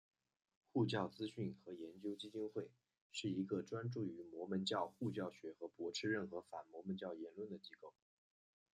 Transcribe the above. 护教资讯和研究基金会是一个专注于摩门教护教学和驳斥任何反摩门教言论的机构。